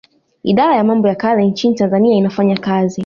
Idara ya mambo ya kale nchini Tanzania inafanya kazi